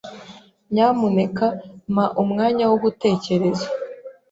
Nyamuneka mpa umwanya wo gutekereza.